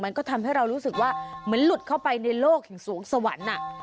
มันก็ทำให้เรารู้สึกว่าเหมือนหลุดเข้าไปในโลกอย่างสวงสวรรค์